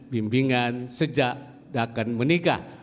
bimbingan sejak akan menikah